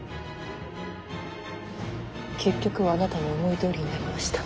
結局はあなたの思いどおりになりましたね。